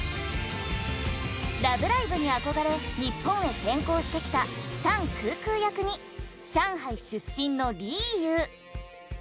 「ラブライブ！」に憧れ日本へ転校してきた唐可可役に上海出身のＬｉｙｕｕ。